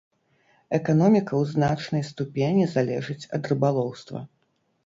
Эканоміка ў значнай ступені залежыць ад рыбалоўства.